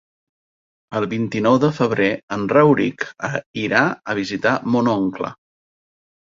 El vint-i-nou de febrer en Rauric irà a visitar mon oncle.